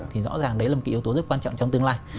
thì rõ ràng đấy là một cái yếu tố rất quan trọng trong tương lai